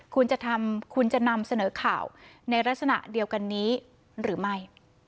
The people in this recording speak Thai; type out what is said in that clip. คุณจะทำคุณจะนำเสนอข่าวในลักษณะเดียวกันนี้หรือไม่